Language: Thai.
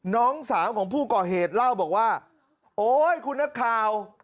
น้องสาวของผู้ก่อเหตุเล่าบอกว่าโอ๊ยคุณนักข่าว